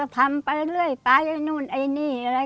ทำไปเรื่อยไปไอ้นู่นไอ้นี่อะไร